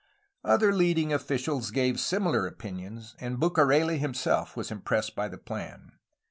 Other leading officials gave similar opinions, and Bucareli himself was impressed by the plan.